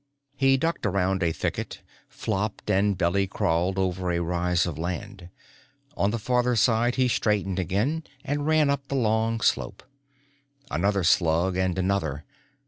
He ducked around a thicket, flopped and belly crawled over a rise of land. On the farther side he straightened again and ran up the long slope. Another slug and another.